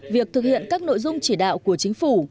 việc thực hiện các nội dung chỉ đạo của chính phủ